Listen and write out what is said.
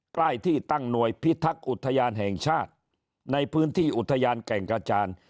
ใต้ที่ตั้งหน่วยพิทักษ์อุทยานแห่งชาติในพื้นที่อุทยานแก่งกระจาน